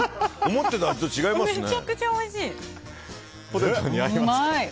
思ってた味と違いますね。